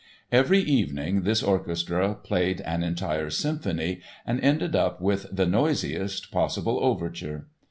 Every evening this orchestra played an entire symphony and ended up with "the noisiest possible overture."